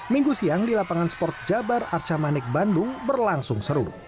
minggu siang di lapangan sport jabar arca manik bandung berlangsung seru